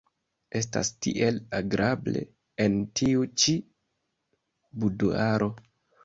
Estas tiel agrable en tiu ĉi buduaro.